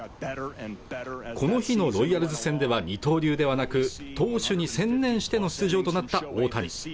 この日のロイヤルズ戦では二刀流ではなく投手に専念しての出場となった大谷